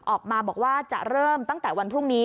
ออกมาบอกว่าจะเริ่มตั้งแต่วันพรุ่งนี้